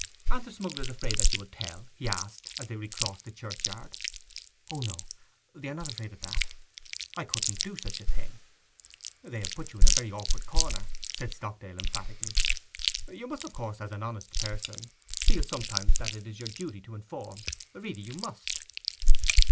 'Aren't the smugglers afraid that you will tell?' he asked, as they recrossed the churchyard. 'O no; they are not afraid of that. I couldn't do such a thing.' 'They have put you into a very awkward corner,' said Stockdale emphatically. 'You must, of course, as an honest person, sometimes feel that it is your duty to inform—really you must.